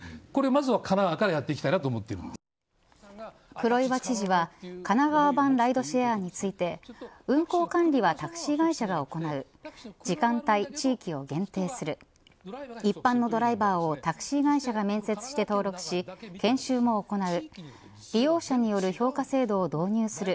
黒岩知事は神奈川版ライドシェアについて運行管理はタクシー会社が行う時間帯、地域を限定する一般のドライバーをタクシー会社が面接して登録し研修も行う。